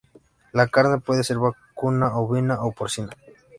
La carne puede ser vacuna, ovina o porcina.